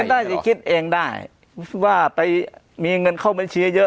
น่าจะคิดเองได้ว่าไปมีเงินเข้าบัญชีเยอะ